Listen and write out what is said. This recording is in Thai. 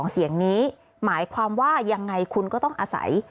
๒เสียงนี้หมายความว่ายังไงคุณก็ต้องอาศัย